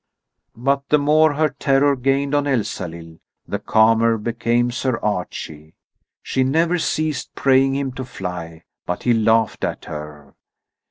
But the more her terror gained on Elsalill, the calmer became Sir Archie. She never ceased praying him to fly, but he laughed at her.